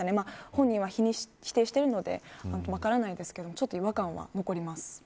本人は否定しているので分からないですけどちょっと違和感は残ります。